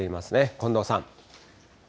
近藤さん。